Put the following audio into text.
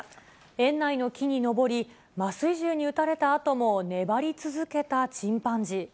園内の木に登り、麻酔銃に撃たれたあとも粘り続けたチンパンジー。